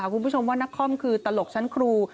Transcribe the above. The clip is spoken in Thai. คุณผู้ชมว่านักคอมคือตลกชั้นครู